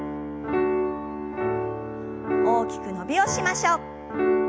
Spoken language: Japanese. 大きく伸びをしましょう。